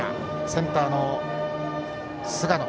センターの菅野。